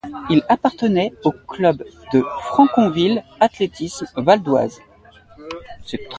Il appartenait au club de Franconville Athlétisme Val-d'Oise.